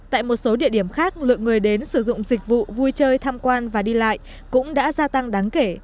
tại một số địa điểm khác lượng người đến sử dụng dịch vụ vui chơi tham quan và đi lại cũng đã gia tăng đáng kể